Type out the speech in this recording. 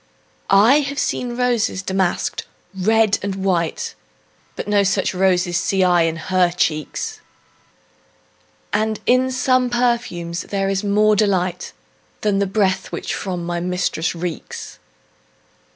I have seen roses damask'd, red and white, But no such roses see I in her cheeks; And in some perfumes is there more delight Than in the breath that from my mistress reeks.